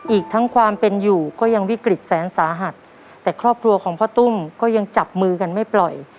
อีกทั้งความเป็นอยู่ก็ยังวิกฤตแสนสาหัสแต่ครอบครัวของพ่อตุ้มก็ยังจับมือกันไม่ปล่อย